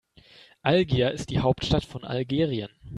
Algier ist die Hauptstadt von Algerien.